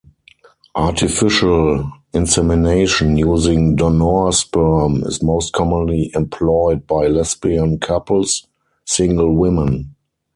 Artificial insemination using donor sperm is most commonly employed by lesbian couples, single women.